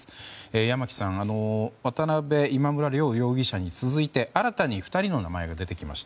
山木さん、渡邉、今村両容疑者に続いて新たに２人の名前が出てきました。